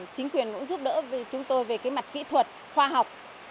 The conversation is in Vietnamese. chính quyền cũng giúp đỡ chúng tôi về cái mặt kỹ thuật khoa học